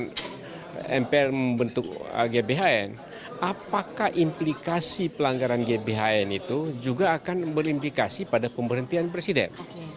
kalau mpr membentuk gbhn apakah implikasi pelanggaran gbhn itu juga akan berimplikasi pada pemberhentian presiden